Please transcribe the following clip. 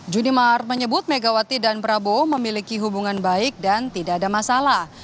juni mar menyebut megawati dan prabowo memiliki hubungan baik dan tidak ada masalah